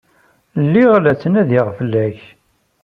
Lliɣ la ttnadiɣ fell-ak.